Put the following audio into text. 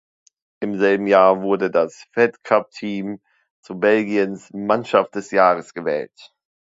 Im selben Jahr wurde das Fed-Cup-Team zu Belgiens Mannschaft des Jahres gewählt.